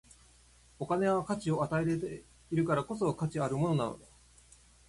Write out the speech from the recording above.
お金は価値を与えられているからこそ、価値あるものなのだ。